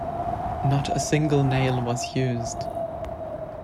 Not a single nail was used.